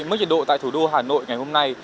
mức nhiệt độ tại thủ đô hà nội ngày hôm nay